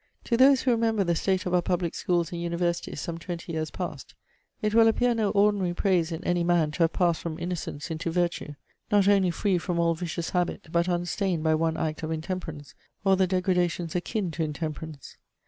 To those who remember the state of our public schools and universities some twenty years past, it will appear no ordinary praise in any man to have passed from innocence into virtue, not only free from all vicious habit, but unstained by one act of intemperance, or the degradations akin to intemperance.